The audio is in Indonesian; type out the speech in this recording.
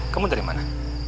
kamu dari mana